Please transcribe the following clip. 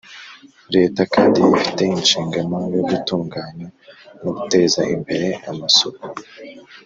Leta kandi ifite ishingano yo gutunganya no guteza imbere amasoko